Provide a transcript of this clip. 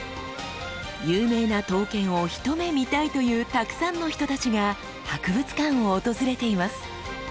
有名な刀剣をひと目見たいというたくさんの人たちが博物館を訪れています。